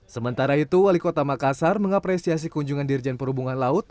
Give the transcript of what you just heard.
sementara itu wali kota makassar mengapresiasi kunjungan dirjen perhubungan laut